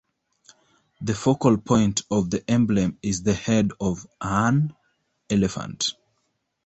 The focal point of the emblem is the head of an elephant.